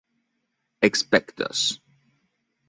Expect us.